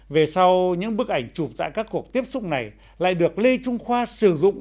về sau những bức ảnh chụp tại các cuộc tiếp xúc này lại được lê trung khoa sử dụng